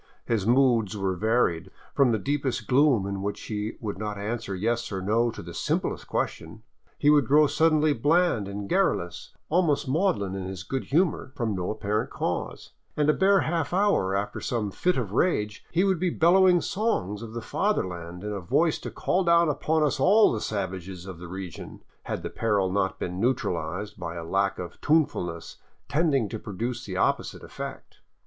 His moods were varied. From the deepest gloom, in which he would not answer yes or no to the simplest ques tion, he would grow suddenly bland and garrulous, almost maudlin in his good humor, from no apparent cause, and a bare half hour after some fit of rage he would be bellowing songs of the Fatherland in a voice to call down upon us all the savages of the region, had the peril not been neutralized by a lack of tunefulness tending to produce the opposite effect.